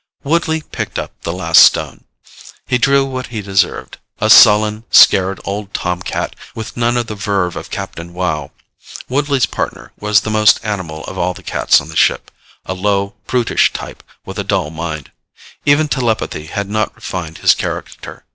_ Woodley picked up the last stone. He drew what he deserved a sullen, scared old tomcat with none of the verve of Captain Wow. Woodley's Partner was the most animal of all the cats on the ship, a low, brutish type with a dull mind. Even telepathy had not refined his character.